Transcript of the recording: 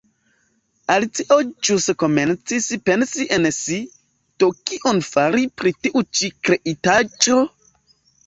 Alicio ĵus komencis pensi en si "Do, kion fari pri tiu ĉi kreitaĵo?"